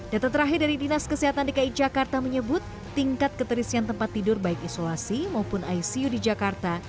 data terakhir dari dinas kesehatan dki jakarta menyebut tingkat keterisian tempat tidur baik isolasi maupun icu di jakarta